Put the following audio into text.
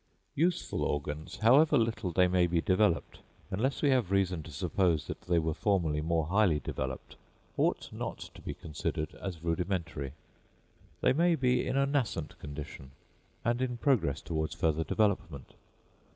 Useful organs, however little they may be developed, unless we have reason to suppose that they were formerly more highly developed, ought not to be considered as rudimentary. They may be in a nascent condition, and in progress towards further development.